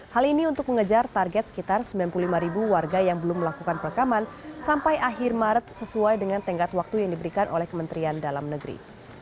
hal ini untuk mengejar target sekitar sembilan puluh lima ribu warga yang belum melakukan perekaman sampai akhir maret sesuai dengan tenggat waktu yang diberikan oleh kementerian dalam negeri